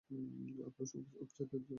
আপনার অফিসারদের ডাকেন!